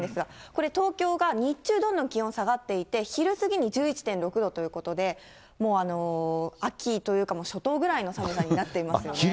これ、東京が、日中どんどん気温下がっていて、昼過ぎに１１．６度ということで、もう秋というか、初冬ぐらいの寒さになっていますよね。